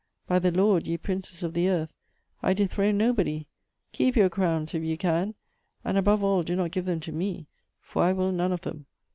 By the Lord, ye princes of the earth, I dethrone nobody; keep your crowns, if you can, and above all do not give them to me, for I "will none of them."